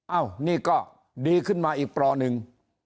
นี่ก็ดีขึ้นมาอีกปลอหนึ่ง